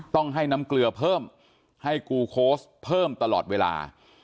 ต้องให้น้ำเกลือเพิ่มให้กูโค้ชเพิ่มตลอดเวลา